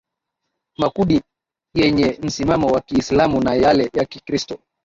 makundi yenye msimamo wa kiislamu na yale ya kikristo